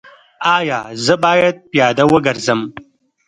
ایا زه باید پیاده وګرځم؟